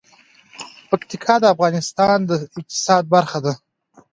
پکتیکا د افغانستان د اقتصاد برخه ده.